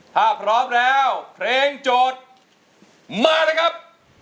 ถ้าพร้อมแล้วเพลงโจทย์มาเลยครับ